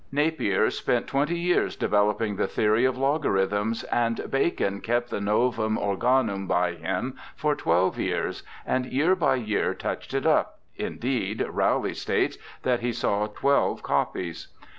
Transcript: Napier spent twenty years developing the theory of Logarithms ; and Bacon kept the Novum Organiim by him for twelve years, and year by year touched it up— indeed, Rowley states that he saw twelve copies.